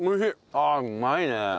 ああうまいね。